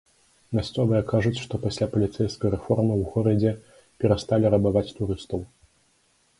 Мясцовыя кажуць, што пасля паліцэйскай рэформы ў горадзе перасталі рабаваць турыстаў.